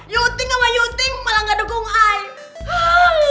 yuting sama yuting malah gak dukung ayah